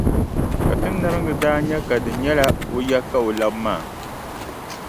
Kpatinariŋga daa nya ka di nyɛla o ya ka o labi maa.